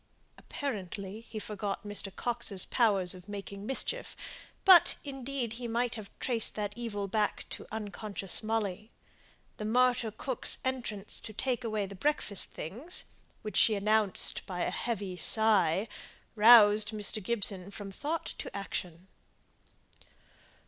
Apparently, he forgot Mr. Coxe's powers of making mischief; but indeed he might have traced that evil back to the unconscious Molly. The martyr cook's entrance to take away the breakfast things, which she announced by a heavy sigh, roused Mr. Gibson from thought to action.